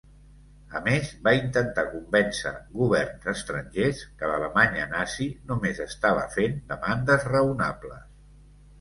A més, va intentar convèncer governs estrangers que l'Alemanya Nazi només estava fent demandes raonables.